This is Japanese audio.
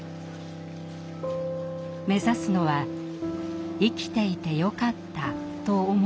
目指すのは「生きていてよかった」と思える暮らしです。